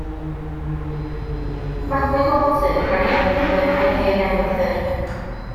Magwyd Walter gan ei ewythr a'i hen ewythr.